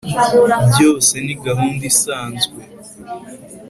byose ni gahunda isanzwe